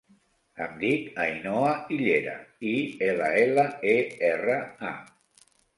Em dic Ainhoa Illera: i, ela, ela, e, erra, a.